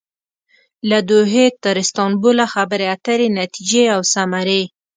له دوحې تر استانبوله خبرې اترې ،نتیجې او ثمرې